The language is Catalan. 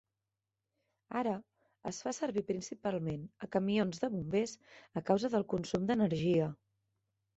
Ara es fa servir principalment a camions de bombers a causa del consum d'energia.